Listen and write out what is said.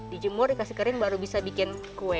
dijemur dikasih kering baru bisa bikin kue